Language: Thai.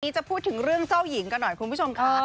จะพูดถึงเรื่องเจ้าหญิงกันหน่อยคุณผู้ชมค่ะ